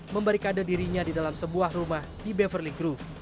memberi kade dirinya di dalam sebuah rumah di beverly groove